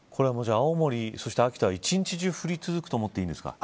青森、秋田は一日中降り続くと思っていいんですか。